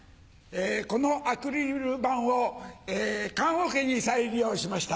このアクリル板を棺おけに再利用しました。